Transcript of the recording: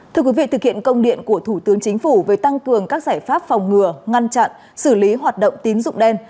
thưa quý vị thực hiện công điện của thủ tướng chính phủ về tăng cường các giải pháp phòng ngừa ngăn chặn xử lý hoạt động tín dụng đen